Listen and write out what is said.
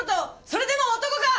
それでも男か！